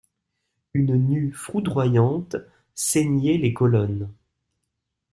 Une nue foudroyante ceignait les colonnes.